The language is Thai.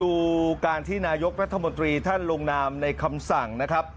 ดูการที่นายกรัฐมนตรีท่านลงนามในคำสั่งนะครับ